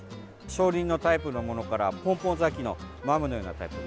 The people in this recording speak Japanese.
小輪のタイプのものからポンポン咲きのマムのようなタイプ。